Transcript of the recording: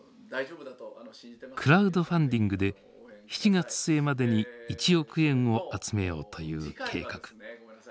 クラウドファンディングで７月末までに１億円を集めようという計画。